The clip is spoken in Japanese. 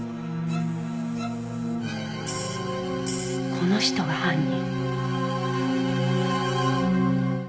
この人が犯人。